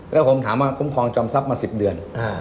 แล้วผมถามว่าคุ้มครองจอมทรัพย์มา๑๐เดือน